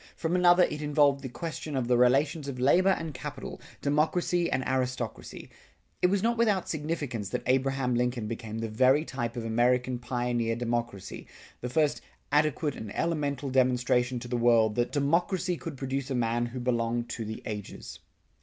From another it involved the question of the relations of labor and capital, democracy and aristocracy. It was not without significance that Abraham Lincoln became the very type of American pioneer democracy, the first adequate and elemental demonstration to the world that that democracy could produce a man who belonged to the ages.